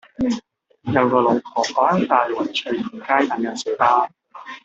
有個老婆婆喺大圍翠田街等緊小巴